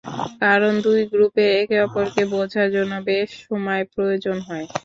কারণ, দুই গ্রুপের একে অপরকে বোঝার জন্য বেশ সময় প্রয়োজন হয়।